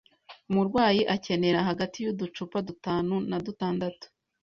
umurwayi akenera hagati y'uducupa dutanu na dutandatu